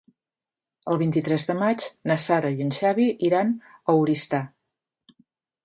El vint-i-tres de maig na Sara i en Xavi iran a Oristà.